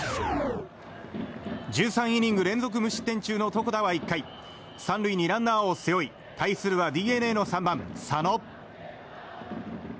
１３イニング連続無失点中の床田は１回３塁にランナーを背負い対するはＤｅＮＡの３番、佐野。